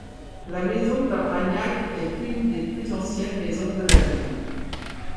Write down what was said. La maison d'Armagnac est une des plus anciennes maisons de la ville.